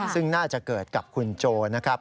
ซึ่งน่าจะเกิดกับคุณโจนะครับ